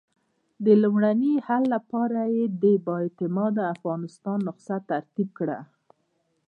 د لومړني حل لپاره یې د با اعتماده افغانستان نسخه ترتیب کړه.